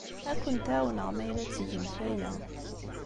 Ad kent-ɛawneɣ ma yella ad tgemt aya.